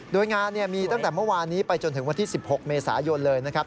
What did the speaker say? โดยงานมีตั้งแต่เมื่อวานนี้ไปจนถึงวันที่๑๖เมษายนเลยนะครับ